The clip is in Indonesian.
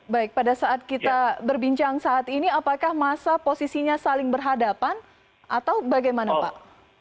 baik pada saat kita berbincang saat ini apakah masa posisinya saling berhadapan atau bagaimana pak